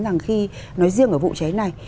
rằng khi nói riêng ở vụ cháy này